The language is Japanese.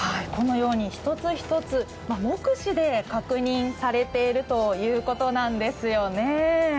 一つ一つ目視で確認されているということなんですよね。